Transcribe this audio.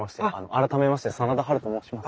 改めまして真田ハルと申します。